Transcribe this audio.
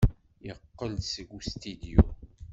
Yeqqel-d seg ustidyu.